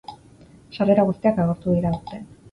Sarrera guztiak agortu dira aurten.